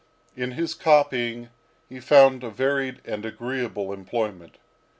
In his copying, he found a varied and agreeable employment.